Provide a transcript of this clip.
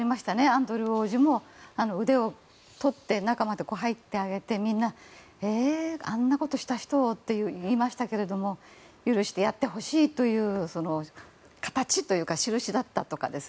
アンドリュー王子も腕をとって、中まで入ってきてみんなえ、あんなことした人をと言いましたけれども許してやってほしいという形というか印だったとか。